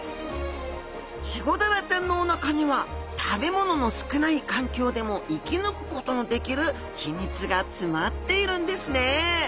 チゴダラちゃんのおなかには食べ物の少ない環境でも生き抜くことのできる秘密が詰まっているんですね